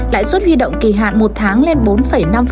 lãi suất huy động kỳ hạn một tháng lên bốn năm một năm